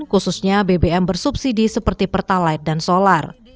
khususnya bbm bersubsidi seperti pertalite dan solar